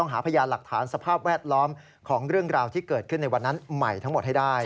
หาพยานหลักฐานสภาพแวดล้อมของเรื่องราวที่เกิดขึ้นในวันนั้นใหม่ทั้งหมดให้ได้